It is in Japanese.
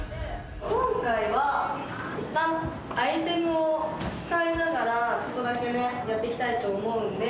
今回はアイテムを使いながら、ちょっとだけね、やっていきたいと思うんで。